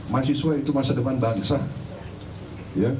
mahasiswa itu masa depan bangsa